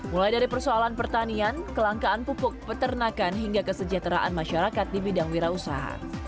mulai dari persoalan pertanian kelangkaan pupuk peternakan hingga kesejahteraan masyarakat di bidang wira usaha